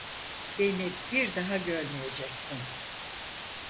Beni bir daha görmeyeceksin.